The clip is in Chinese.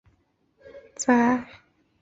问题是如何得知这两种介子的存在。